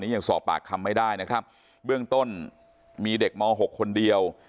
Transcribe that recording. ยังสอบปากคำไม่ได้นะครับเบื้องต้นมีเด็กม๖คนเดียว